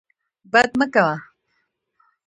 بد مه کوه.